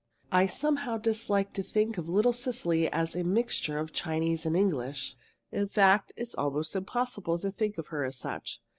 I somehow dislike to think of little Cecily as a mixture of Chinese and English. In fact, it's almost impossible to think of her as such.